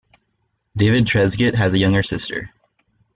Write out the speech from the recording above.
David Trezeguet has a younger sister.